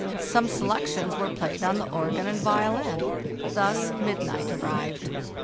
Some selections were played on the organ and violin. Thus midnight arrived.